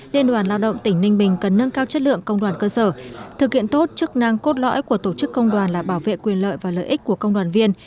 liên đoàn lao động tỉnh ninh bình cần nâng cao chất lượng công đoàn cơ sở thực hiện tốt chức năng cốt lõi của tổ chức công đoàn là bảo vệ quyền lợi và lợi ích của công đoàn viên